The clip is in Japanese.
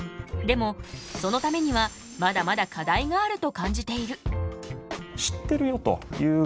でもそのためにはまだまだ課題があると感じている。